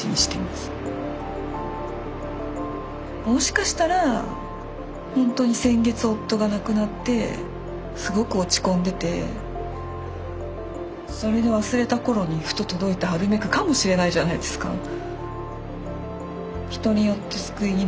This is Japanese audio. もしかしたらほんとに先月夫が亡くなってすごく落ち込んでてそれで忘れた頃にふと届いた「ハルメク」かもしれないじゃないですか。